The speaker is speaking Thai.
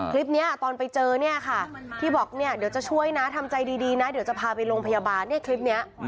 คลิปนี้ตอนไปเจอเนี่ยค่ะที่บอกเนี่ยเดี๋ยวจะช่วยนะทำใจดีนะเดี๋ยวจะพาไปโรงพยาบาลเนี่ยคลิปนี้